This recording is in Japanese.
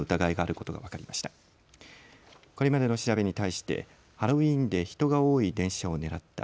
これまでの調べに対してハロウィーンで人が多い電車を狙った。